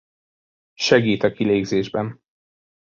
Segít a kilégzésben.